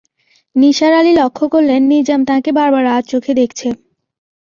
নিসার আলি লক্ষ করলেন, নিজাম তাঁকে বারবার আড়চোখে দেখছে।